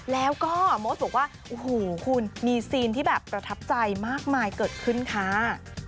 แล้วก็โมสบอกว่าโอ้โหคุณมีซีนที่แบบประทับใจมากมายเกิดขึ้นค่ะ